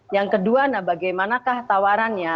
yang kedua nah bagaimana kah tawarannya